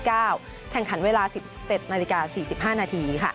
แข่งขันเวลา๑๗นาฬิกา๔๕นาที